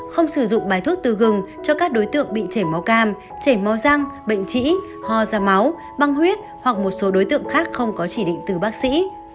không sử dụng bài thuốc tư gừng cho các đối tượng bị chảy máu cam chảy máu răng bệnh trĩ ho ra máu băng huyết hoặc một số đối tượng khác không có chỉ định từ bác sĩ